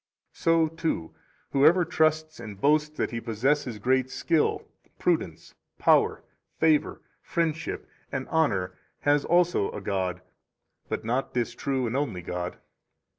10 So, too, whoever trusts and boasts that he possesses great skill, prudence, power, favor, friendship, and honor has also a god, but not this true and only God.